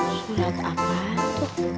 surat apaan tuh